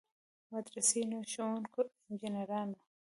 مدرسینو، ښوونکو، انجنیرانو.